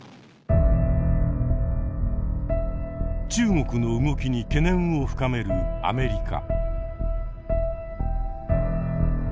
中国の動きに懸念を深めるアメリカ。